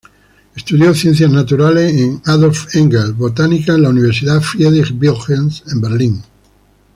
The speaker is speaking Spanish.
Estudió Ciencias Naturales con Adolf Engler, Botánica en la Universidad Friedrich-Wilhelms, de Berlín.